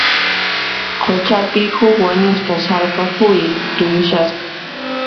Quchapi, huk wañusqa sallqa quwi tuyushasqa.